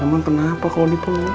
emang kenapa kalau di pulang